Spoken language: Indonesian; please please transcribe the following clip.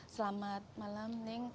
selamat malam ning